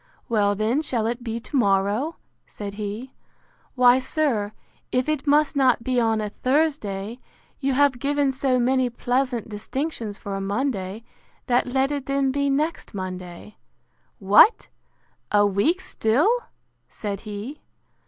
—Well, then, shall it be to morrow? said he.—Why, sir, if it must not be on a Thursday, you have given so many pleasant distinctions for a Monday, that let it then be next Monday.—What! a week still? said he.